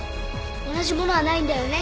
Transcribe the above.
同じものはないんだよね。